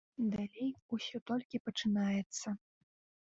Далей усё толькі пачнецца.